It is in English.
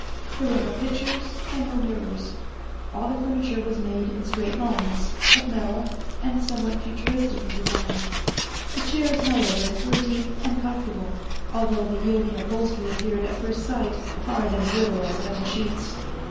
There were no pictures and no mirrors. All the furniture was made in straight lines, of metal, and somewhat futuristic in design. The chairs, however, were deep and comfortable, although the yielding upholstery appeared at first sight hard and brittle as metal sheets.